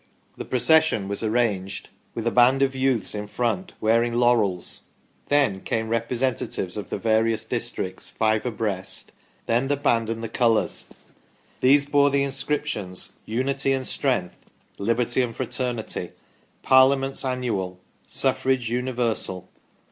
The procession was arranged 20 THE STORY OF PETERLOO with a band of youths in front wearing laurels, then came representa tives of the various districts, five abreast, then the band and the colours. These bore the inscriptions :" Unity and Strength ";" Liberty and Fraternity"; "Parliaments Annual"; "Suffrage Universal".